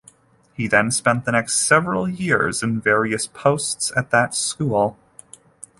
He then spent the next several years in various posts at that school.